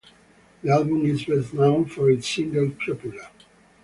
The album is best known for its single "Popular".